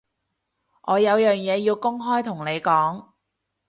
我有樣嘢要公開同你講